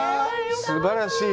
すばらしい